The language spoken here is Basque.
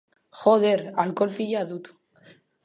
Joder, alkohol pila dut.